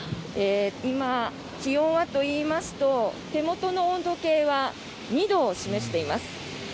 今、気温はといいますと手元の温度計は２度を示しています。